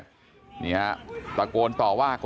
สวัสดีครับคุณผู้ชาย